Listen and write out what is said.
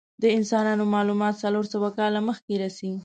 د انسانانو معلومات څلور سوه کاله مخکې رسی.